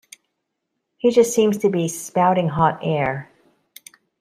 He just seems to be spouting hot air.